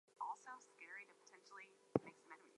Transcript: The two railroads separated the town into four sections.